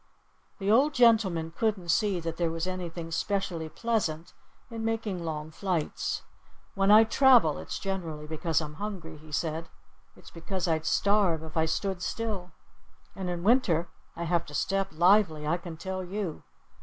The old gentleman couldn't see that there was anything specially pleasant in making long flights. "When I travel, it's generally because I'm hungry," he said. "It's because I'd starve if I stood still. And in winter I have to step lively, I can tell you.